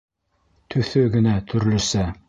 Төҫө генә төрлөсә.